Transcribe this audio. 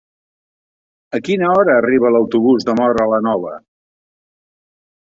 A quina hora arriba l'autobús de Móra la Nova?